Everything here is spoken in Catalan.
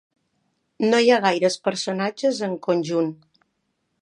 No hi ha gaires personatges en conjunt.